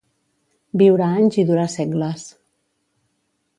Viure anys i durar segles.